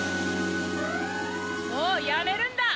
もうやめるんだ！